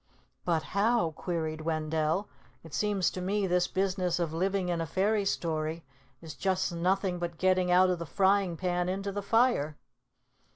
"But how?" queried Wendell. "It seems to me this business of living in a fairy story is just nothing but getting out of the frying pan into the fire."